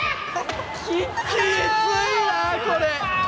きついなこれ。